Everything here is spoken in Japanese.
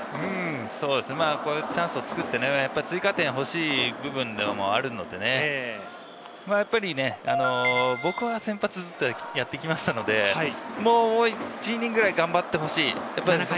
そうですね、チャンスを作って、追加点が欲しい部分でもあるので、やっぱり僕は先発ずっとやってきましたので、もう１イニングぐらい頑張ってほしい。